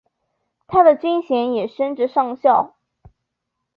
他的军衔也升至上校。